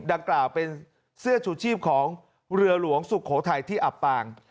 ดังกล่าวเป็นเสื้อชูชีพของเรือหลวงสุโขทัยที่อับปาง